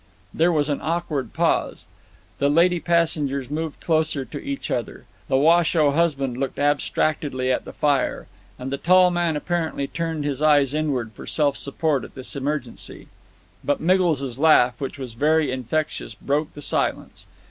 There was an awkward pause. The lady passengers moved closer to each other; the Washoe husband looked abstractedly at the fire; and the tall man apparently turned his eyes inward for self support at this emergency. But Miggles's laugh, which was very infectious, broke the silence.